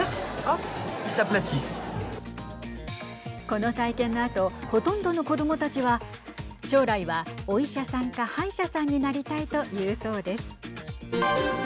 この体験のあとほとんどの子どもたちは将来は、お医者さんか歯医者さんになりたいと言うそうです。